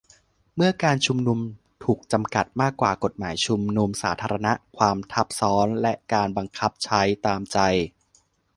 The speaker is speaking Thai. เมื่อการชุมนุม ถูกจำกัดมากกว่ากฎหมายชุมนุมสาธารณะ : ความทับซ้อนและการบังคับใช้ตามใจ